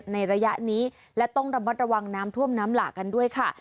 ในระยะนี้และต้องระมัดระวังน้ำท่วมน้ำหลากกันด้วยค่ะ